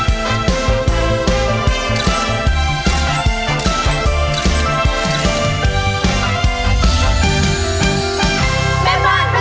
สดุดีมหาราชแห่งชาติไทยรัฐ